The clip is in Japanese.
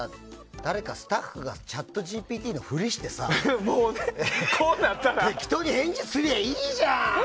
誰かスタッフがＣｈａｔＧＰＴのふりしてさ適当に返事すりゃいいじゃん。